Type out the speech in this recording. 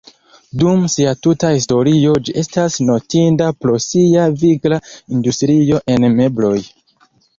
Dum sia tuta historio, ĝi estas notinda pro sia vigla industrio en mebloj.